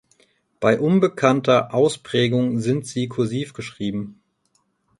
Bei unbekannter Ausprägung sind sie kursiv geschrieben.